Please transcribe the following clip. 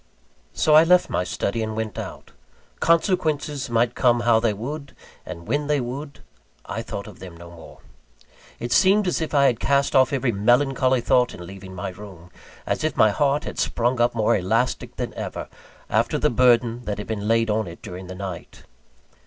So I left my study and went out. Consequences might come how they would, and when they would; I thought of them no more. It seemed as if I had cast off every melancholy thought, in leaving my room; as if my heart had sprung up more elastic than ever, after the burden that had been laid on it during the night.